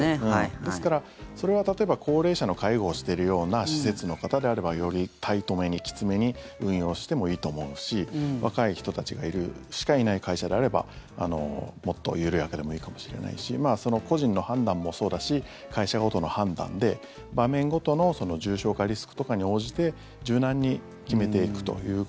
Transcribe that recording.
ですから、それは例えば高齢者の介護をしているような施設の方であればよりタイトめに、きつめに運用してもいいと思うし若い人たちしかいない会社であればもっと緩やかでもいいかもしれないし個人の判断もそうだし会社ごとの判断で場面ごとの重症化リスクとかに応じて柔軟に決めていくという。